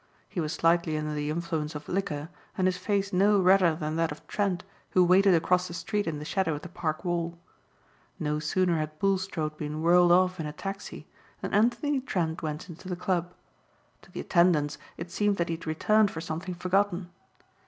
He was slightly under the influence of liquor and his face no redder than that of Trent who waited across the street in the shadow of the Park wall. No sooner had Bulstrode been whirled off in a taxi than Anthony Trent went into the club. To the attendants it seemed that he had returned for something forgotten.